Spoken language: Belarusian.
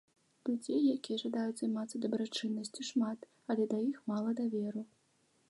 Людзей, якія жадаюць займацца дабрачыннасцю, шмат, але да іх мала даверу.